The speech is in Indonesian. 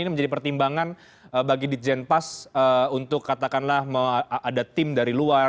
ini menjadi pertimbangan bagi di jenpas untuk katakanlah ada tim dari luar